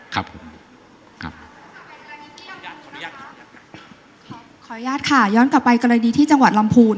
ขออนุญาตค่ะย้อนกลับไปกรณีที่จังหวัดลำพูน